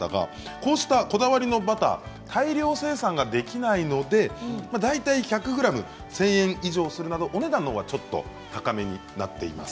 こうしたこだわりのバター大量生産ができないので大体１００ｇ１０００円以上するなどお値段のほうはちょっと高めになっています。